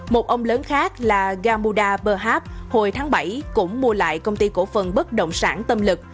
một ông lớn khác là gamuda berhab hồi tháng bảy cũng mua lại công ty cổ phần bất động sản tâm lực